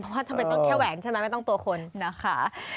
เพราะว่าจะเป็นแค่แหวนใช่ไหมไม่ต้องตัวคนนะคะ